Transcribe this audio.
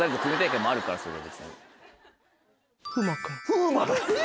風磨だ